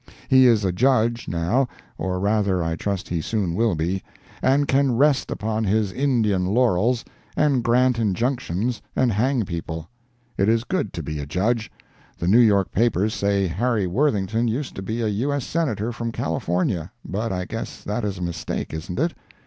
He is a Judge, now (or rather, I trust he soon will be), and can rest upon his Indian laurels, and grant injunctions and hang people. It is good to be a Judge. The New York papers say Harry Worthington used to be a U. S. Senator from California—but I guess that is a mistake, isn't it?